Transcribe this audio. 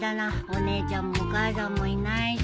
お姉ちゃんもお母さんもいないし。